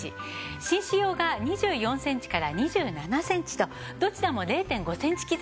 紳士用が２４センチから２７センチとどちらも０．５センチ刻みです。